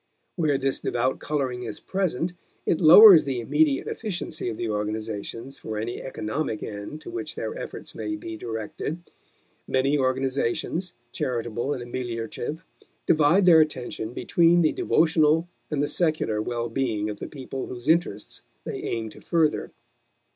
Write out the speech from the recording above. Where this devout coloring is present it lowers the immediate efficiency of the organizations for any economic end to which their efforts may be directed. Many organizations, charitable and ameliorative, divide their attention between the devotional and the secular well being of the people whose interests they aim to further.